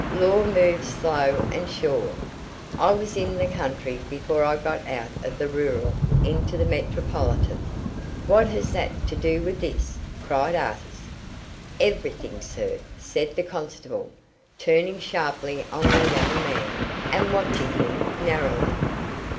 Law moves slow and sure. I was in the country before I got out of the rural into the metropolitan." "What has that to do with this?" cried Artis. "Everything, sir," said the constable, turning sharply on the young man, and watching him narrowly.